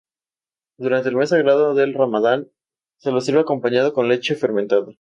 Durante el mes sagrado del Ramadán, se lo sirve acompañado con leche fermentada.